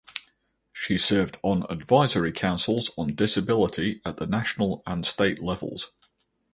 She served on advisory councils on disability at the national and state levels.